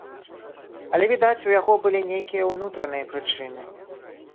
Але, відаць, у яго былі нейкія ўнутраныя прычыны.